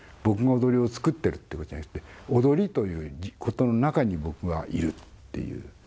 僕が踊りを作ってるってことじゃなくて踊りということの中に僕はいるっていう。